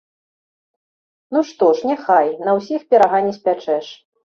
Ну, што ж, няхай, на ўсіх пірага не спячэш.